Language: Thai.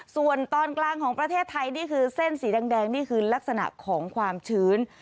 ส่วนตอนกลางของประเทศไทยนี่คือเส้นสีแดงนี่คือลักษณะของความชื้น